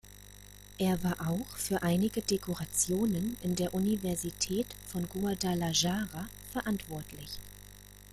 Er war auch für einige Dekorationen in der Universität von Guadalajara verantwortlich.